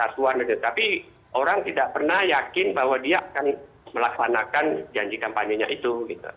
tapi orang tidak pernah yakin bahwa dia akan melaksanakan janji kampanyenya itu